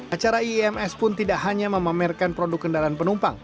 acara iims pun tidak hanya memamerkan produk kendaraan penumpang